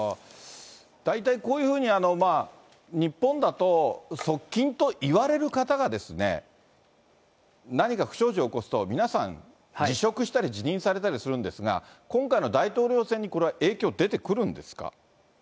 大体こういうふうに日本だと、側近といわれる方が、何か不祥事を起こすと、皆さん、辞職したり辞任されたりするんですが、今回の大統領選に、これは影響出てくるんですか？